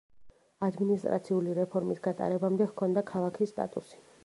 ადმინისტრაციული რეფორმის გატარებამდე ჰქონდა ქალაქის სტატუსი.